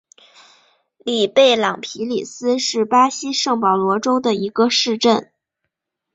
里贝朗皮里斯是巴西圣保罗州的一个市镇。